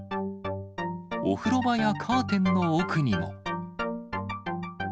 お風呂場やカーテンの奥にも。